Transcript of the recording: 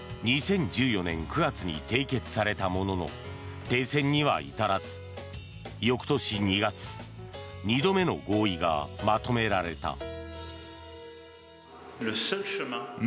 ２０１４年９月に一度締結されたものの停戦には至らず、翌年２月２度目の合意がまとめられた。